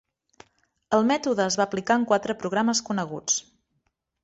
El mètode es va aplicar en quatre programes coneguts.